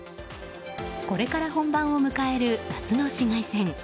これから本番を迎える夏の紫外線。